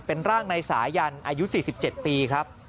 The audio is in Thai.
เป็นร่างนายสายันอายุ๔๗ปีครับ